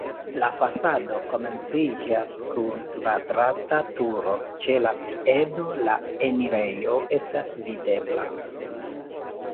La fasado komenciĝas kun kvadrata turo, ĉe la piedo la enirejo estas videbla.